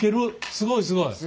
すごいすごい。